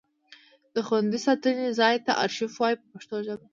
د خوندي ساتنې ځای ته ارشیف وایي په پښتو ژبه.